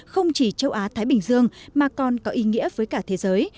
không chỉ châu á thái bình dương mà còn có ý nghĩa với cả thế giới